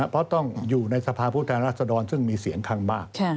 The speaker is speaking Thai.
เพราะต้องอยู่ในสภาพุทธรรษดรซึ่งมีเสียงคังมาก